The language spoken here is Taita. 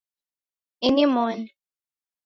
Ini moni